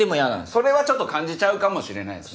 それはちょっと感じちゃうかもしれないっすね。